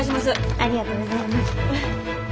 ありがとうございます。